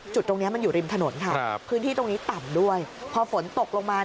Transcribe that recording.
จุดตรงนี้มันอยู่ริมถนนค่ะพื้นที่ตรงนี้ต่ำด้วยพอฝนตกลงมา